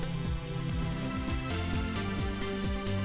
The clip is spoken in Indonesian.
nah ini rp